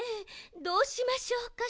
どうしましょうかしら？